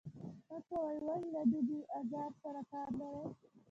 مه کوئ، ولې له دې بې آزار سره کار لرئ.